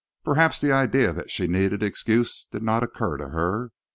Perhaps the idea that she needed excuse did not occur to her.